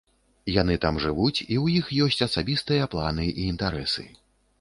Яны там жывуць, у іх ёсць асабістыя планы і інтарэсы.